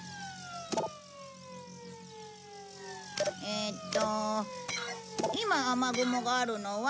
えーと今雨雲があるのは。